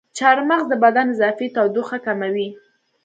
چارمغز د بدن اضافي تودوخه کموي.